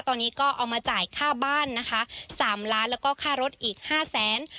ตอนนี้ก็เอามาจ่ายค่าบ้านนะคะสามล้านแล้วก็ค่ารถอีกห้าแสน